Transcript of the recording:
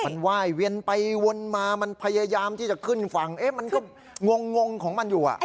มันไหว้เวียนไปวนมามันพยายามที่จะขึ้นฝั่งมันก็งงของมันอยู่